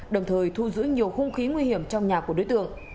đồng thời thu giữ nhiều hung khí nguy hiểm trong nhà của đối tượng